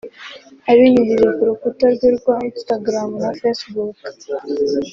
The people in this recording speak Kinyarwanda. Abinyujije ku rukuta rwe rwa Instagram na Facebook